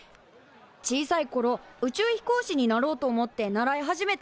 小さいころ宇宙飛行士になろうと思って習い始めたんだ。